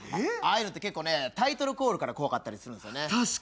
ああいうのって結構タイトルコールから怖かったりするんですよね。